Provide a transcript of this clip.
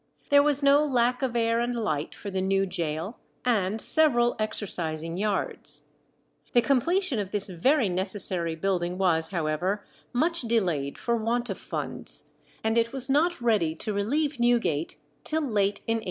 There was no lack of air and light for the new gaol, and several exercising yards. The completion of this very necessary building was, however, much delayed for want of funds, and it was not ready to relieve Newgate till late in 1815.